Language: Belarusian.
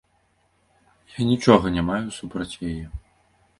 Я нічога не маю супраць яе.